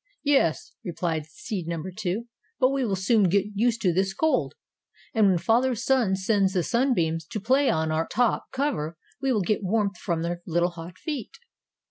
"Yes," replied seed number Two. "But we will soon get used to this cold, and when Father Sun sends the sunbeams to play on our top cover we will get warmth from their little hot feet."